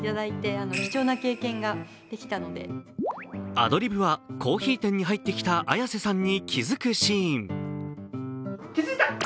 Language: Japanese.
アドリブは、コーヒー店に入ってきた綾瀬さんに気付くシーン。